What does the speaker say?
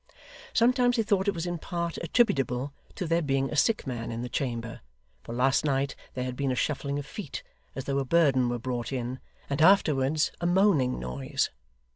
Sometimes they thought it was in part attributable to there being a sick man in the chamber, for last night there had been a shuffling of feet, as though a burden were brought in, and afterwards a moaning noise.